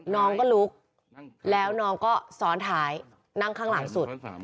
น้องก็ลุกแล้วน้องก็ซ้อนท้ายนั่งข้างหลังสุด